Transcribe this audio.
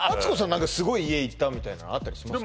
何かすごい家行ったみたいなあったりしますか？